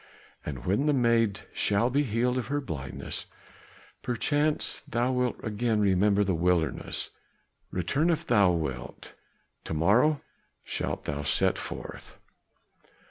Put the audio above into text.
And when the maid shall be healed of her blindness, perchance thou wilt again remember the wilderness; return if thou wilt. To morrow shalt thou set forth."